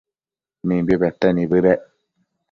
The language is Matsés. Mimbi pete nibëdec